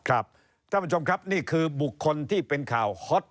ท่านผู้ชมครับนี่คือบุคคลที่เป็นข่าวฮอต